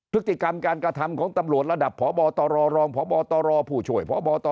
พฤติกรรมการกระทำของตำรวจระดับพบตรรองพบตรผู้ช่วยพบต